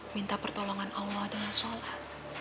minta pertolongan allah dengan sholat